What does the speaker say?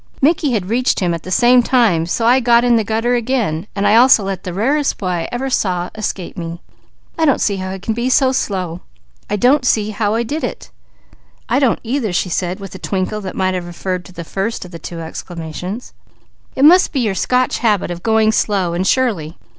Mickey and I reached him at the same time; so I got in the gutter again. I don't see how I can be so slow! I don't see how I did it!" "I don't either," she said, with a twinkle that might have referred to the first of the two exclamations. "It must be your Scotch habit of going slowly and surely.